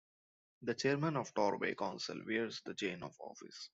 The Chairman of Torbay Council wears the chain of office.